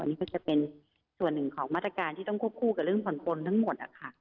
นี่ก็จะเป็นส่วนหนึ่งของมาตรการที่ต้องควบคู่กับเรื่องผ่อนปลนทั้งหมด